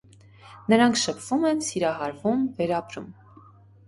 Նրանք շփվում են, սիրահարվում, վերապրում։